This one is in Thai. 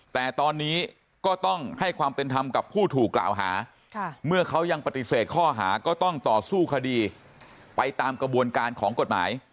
แต่ตอนนี้ก็ต้องให้ความเป็นธรรมกับผู้ถูกกล่าวหาเมื่อเขายังปฏิเสธข้อหาก็ต้องต่อสู้คดีไปตามกระบวนการของกฎหมาย